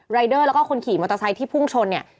รายเดอร์แล้วก็คนขี่มอเตอร์ไซค์ที่พุ่งชนเนี่ย